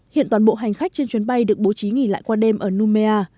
hiện toàn bộ hành khách trên chuyến bay được bố trí nghỉ lại qua đêm ở nomea